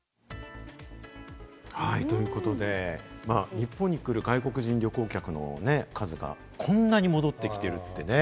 日本に来る外国人旅行客の数がこんなに戻ってきてるってね。